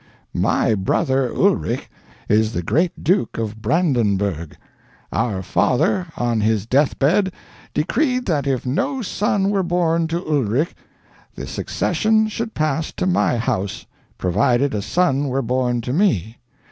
My brother Ulrich is the great Duke of Brandenburgh. Our father, on his deathbed, decreed that if no son were born to Ulrich, the succession should pass to my house, provided a son were born to me.